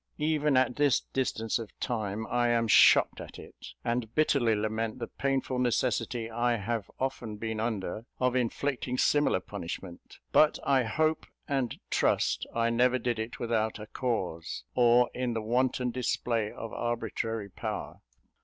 Even at this distance of time, I am shocked at it, and bitterly lament the painful necessity I have often been under of inflicting similar punishment; but I hope and trust I never did it without a cause, or in the wanton display of arbitrary power.